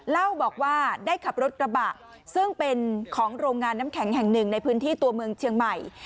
เล่าบอกว่าได้ขับรถกระบะซึ่งเป็นของโรงงานน้ำแข็งแห่งหนึ่งในพื้นที่ตัวเมืองเชียงใหม่